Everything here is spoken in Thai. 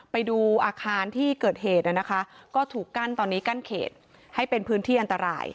ไปดูอาคารที่เกิดเหตุนะคะก็ถูกกั้นตอนนี้กั้นเขตให้เป็นพื้นที่อันตราย